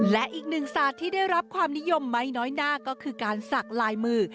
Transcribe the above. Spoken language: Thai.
และอีกหนึ่งศาสตร์ที่ได้รับความนิยมไม่น้อยหน้าก็คือการสักลายมือ